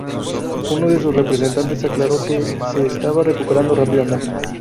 Uno de sus representantes aclaró que se estaba recuperando rápidamente.